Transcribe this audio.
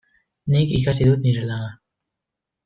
Nik ikasi dut nire lana.